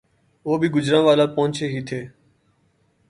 وہ ابھی گوجرانوالہ پہنچے ہی تھے